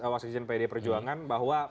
waksisian pd perjuangan bahwa